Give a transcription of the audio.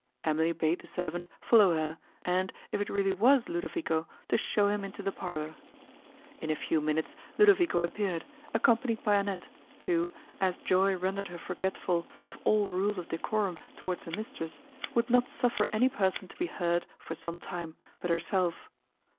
Emily bade the servant follow her, and, if it really was Ludovico, to show him into the parlour. In a few minutes, Ludovico appeared, accompanied by Annette, who, as joy rendered her forgetful of all rules of decorum towards her mistress, would not suffer any person to be heard, for some time, but herself.